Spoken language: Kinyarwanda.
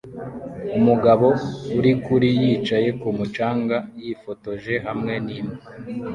Umugabo uri kuri yicaye kumu canga yifotoje hamwe nimbwa